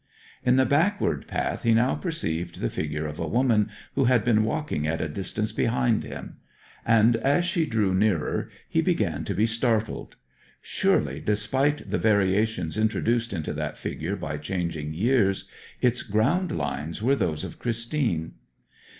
In the backward path he now perceived the figure of a woman, who had been walking at a distance behind him; and as she drew nearer he began to be startled. Surely, despite the variations introduced into that figure by changing years, its ground lines were those of Christine?